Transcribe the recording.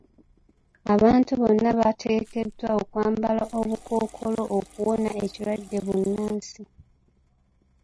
Abantu bonna bateekeddwa okwambala obukookolo okuwona ekirwadde bbunansi.